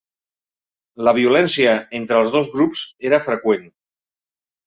La violència entre els dos grups era freqüent.